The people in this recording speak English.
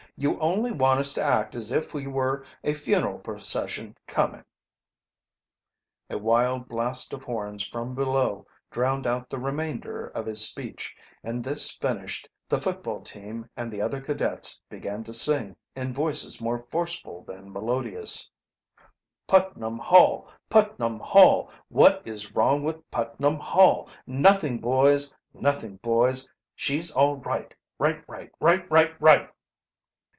You only want us to act as if we were a funeral procession coming " A wild blast of horns from below drowned out the remainder of his speech, and this finished, the football team and the other cadets began to sing, in voices more forceful than melodious: "Putnam Hall! Putnam Hall! What is wrong with Putnam Hall? Nothing, boys! Nothing, boys! She's all RIGHT! Right! right! Right! Right! RIGHT!"